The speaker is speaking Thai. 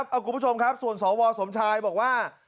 คุณผู้ชมครับส่วนสวสมชายบอกว่า